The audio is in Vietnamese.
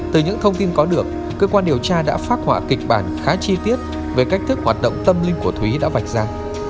từ những thông tin có được cơ quan điều tra đã phát hỏa kịch bản khá chi tiết về cách thức hoạt động tâm linh của thúy đã vạch ra